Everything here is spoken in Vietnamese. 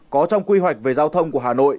có trong quy hoạch về giao thông của hà nội